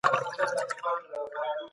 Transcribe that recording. تل د نويو شيانو د زده کولو په لټه کي اوسئ.